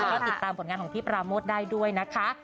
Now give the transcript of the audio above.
ก็ติดตามผลงานของพี่ปราโมทได้ด้วยนะคะ